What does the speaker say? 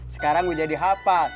sekarang gue jadi hafal